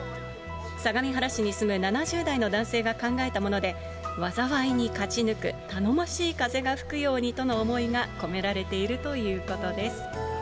相模原市に住む７０代の男性が考えたもので、災いに勝ち抜く頼もしい風が吹くようにという思いが込められているということです。